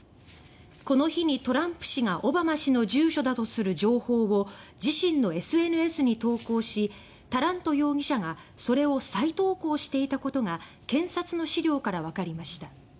この日にトランプ氏がオバマ氏の住所だとする情報を自身のＳＮＳに投稿しタラント容疑者がそれを再投稿していたことが検察の資料から分かりました。